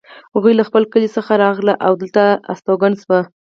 هغوی له خپل کلي څخه راغلي او دلته استوګن شوي